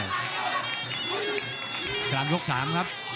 กลางยกสามครับ